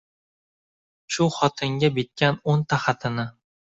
Shu xotinga bitgan o’nta xatini.